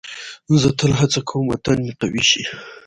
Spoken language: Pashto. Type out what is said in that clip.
زه تل هڅه کوم وطن مې قوي شي.